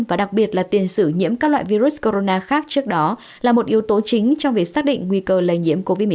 và đặc biệt là tiền sử nhiễm các loại virus corona khác trước đó là một yếu tố chính trong việc xác định nguy cơ lây nhiễm covid một mươi chín